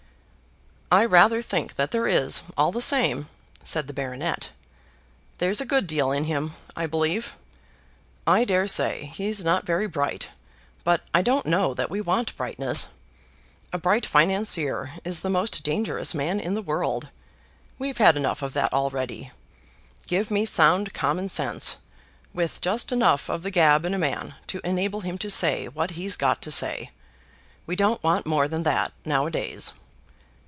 "I rather think that there is, all the same," said the baronet. "There's a good deal in him, I believe! I dare say he's not very bright, but I don't know that we want brightness. A bright financier is the most dangerous man in the world. We've had enough of that already. Give me sound common sense, with just enough of the gab in a man to enable him to say what he's got to say! We don't want more than that nowadays."